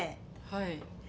はい。